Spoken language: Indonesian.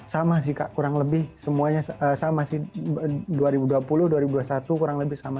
sama sih kak kurang lebih semuanya sama sih dua ribu dua puluh dua ribu dua puluh satu kurang lebih sama